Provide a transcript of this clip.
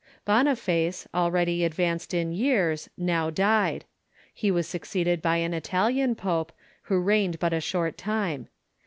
Boniface, already advanced in years, now died. He was succeeded by an Italian pope, who reigned but a short time.